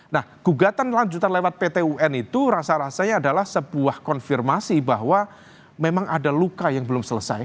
nah gugatan lanjutan lewat pt un itu rasa rasanya adalah sebuah konfirmasi bahwa memang ada luka yang belum selesai